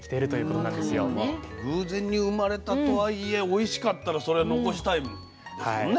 偶然に生まれたとはいえおいしかったらそりゃ残したいですもんね。